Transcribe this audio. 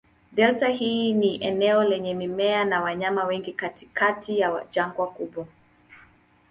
Delta hii ni eneo lenye mimea na wanyama wengi katikati ya jangwa kubwa.